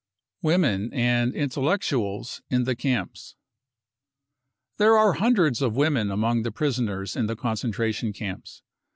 Women and Intellectuals in the Camps. There are hundreds of women among the prisoners in the concentra tion camps.